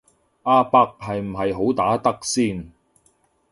阿伯係咪好打得先